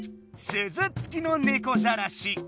すずつきのネコじゃらし。